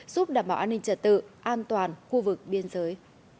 giúp đảm bảo an ninh trật tự an toàn khu vực biên giới